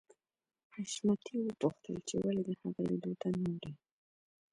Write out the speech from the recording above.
حشمتي وپوښتل چې ولې د هغه لیدو ته نه ورې